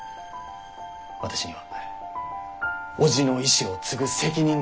私には伯父の意志を継ぐ責任があります。